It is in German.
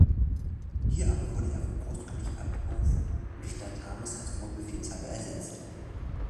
Hier aber wurde er vom Großkönig abberufen und durch Datames als Oberbefehlshaber ersetzt.